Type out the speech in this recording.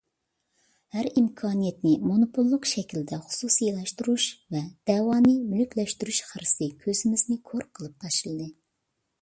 ھەر ئىمكانىيەتنى مونوپوللۇق شەكلىدە خۇسۇسىيلاشتۇرۇش ۋە دەۋانى مۈلۈكلەشتۈرۈش خىرىسى كۆزىمىزنى كور قىلىپ تاشلىدى.